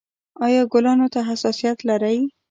ایا ګلانو ته حساسیت لرئ؟